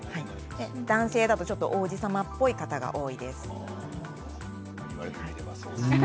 男性だと王子様っぽい方が多いですね。